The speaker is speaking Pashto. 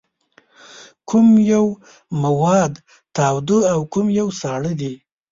کوم یو مواد تاوده او کوم یو ساړه دي؟